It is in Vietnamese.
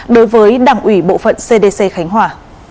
đối với đảng ủy bộ phận cdc khánh hòa